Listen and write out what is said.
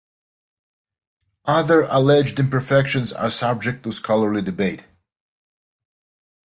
Other alleged imperfections are subject to scholarly debate.